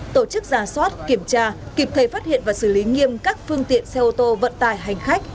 tổ chức giả soát kiểm tra kịp thời phát hiện và xử lý nghiêm các phương tiện xe ô tô vận tải hành khách